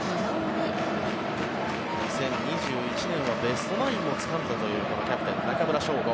２０２１年はベストナインもつかんだというキャプテンの中村奨吾。